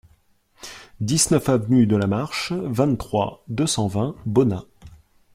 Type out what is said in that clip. dix-neuf avenue de la Marche, vingt-trois, deux cent vingt, Bonnat